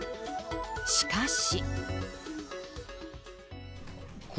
しかし。